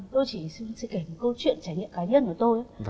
tôi chỉ kể một câu chuyện trải nghiệm cá nhân của tôi